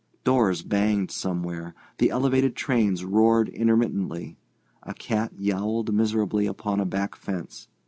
Doors banged somewhere; the elevated trains roared intermittently; a cat yowled miserably upon a back fence.